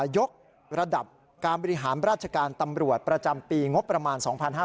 ยกระดับการบริหารราชการตำรวจประจำปีงบประมาณ๒๕๕๙